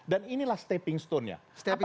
dan inilah stepping stone nya